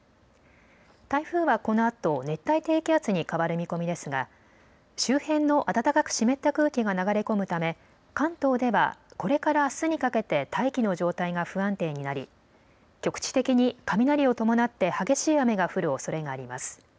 台風はこのあと熱帯低気圧に変わる見込みですが周辺の暖かく湿った空気が流れ込むため関東ではこれからあすにかけて大気の状態が不安定になり局地的に雷を伴って激しい雨が降るおそれがあります。